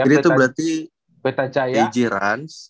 kiri tuh berarti aj ranz